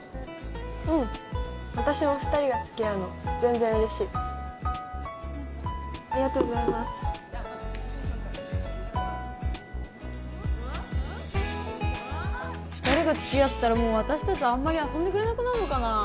うん私も２人が付き合うの全然嬉しいありがとうございます２人が付き合ったらもう私達とあんまり遊んでくれなくなるのかな